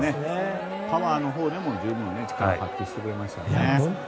パワーのほうでも力を発揮してくれましたね。